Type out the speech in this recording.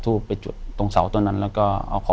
อยู่ที่แม่ศรีวิรัยิลครับ